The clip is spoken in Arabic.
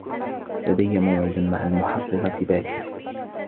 لديّ موعد مع المحرّرة باكر.